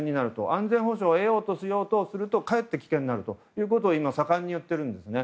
安全保障を得ようとするとかえって危険になるということを盛んに言っているんですね。